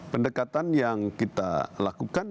pendekatan yang kita lakukan